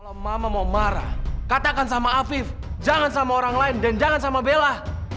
kalau mama mau marah katakan sama afif jangan sama orang lain dan jangan sama bella